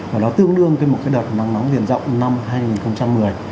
và nó tương đương cái một cái đợt nắng nóng hiện rộng năm hai nghìn một mươi